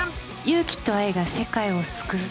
勇気と愛が世界を救う。